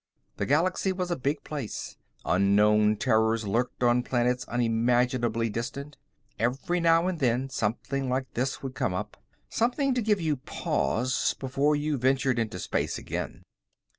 The galaxy was a big place; unknown terrors lurked on planets unimaginably distant. Every now and then, something like this would come up something to give you pause, before you ventured into space again.